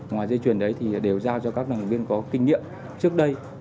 ngoài dây chuyền đấy thì đều giao cho các đăng viên có kinh nghiệm trước đây